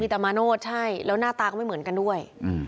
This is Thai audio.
ตามาโนธใช่แล้วหน้าตาก็ไม่เหมือนกันด้วย